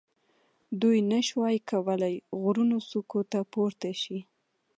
دوی نه شوای کولای غرونو څوکو ته پورته شي.